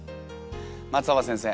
松尾葉先生